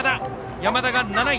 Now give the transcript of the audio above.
山田が７位。